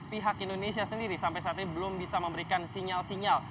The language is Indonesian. pihak indonesia sendiri sampai saat ini belum bisa memberikan sinyal sinyal